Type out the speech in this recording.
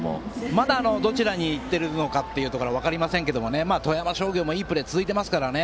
まだどちらに流れが行っているのか分かりませんけども、富山商業もいいプレーが続いていますからね。